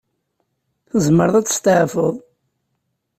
Tzemreḍ ad testeɛfuḍ.